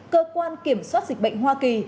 cơ quan kiểm soát dịch bệnh hoa kỳ